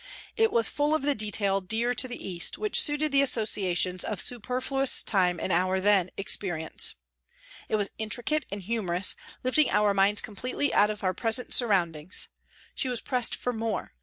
It was full of the detail dear to the East, which suited the associations of superfluous time in our then experience. It was intricate and humorous, lifting our minds completely out of our present surround ings. She was pressed for " more."